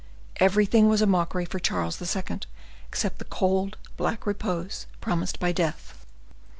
everything was a mockery for Charles II. except the cold, black repose promised by death.